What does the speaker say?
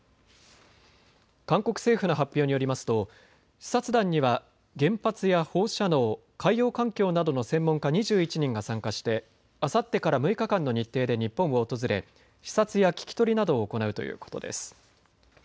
韓国政府の発表によりますと視察団には原発や放射能、海洋環境などの専門家２１人が参加してあさってから６日間の日程で日本を訪れ視察や聞き取りなどを行うということです。